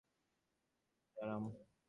মননের চেয়ে মাননেই তাদের আরাম।